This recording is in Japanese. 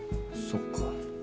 そっか。